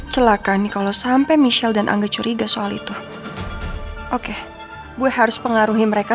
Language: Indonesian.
celaka nih kalau sampai michelle dan angga curiga soal itu oke gue harus pengaruhi mereka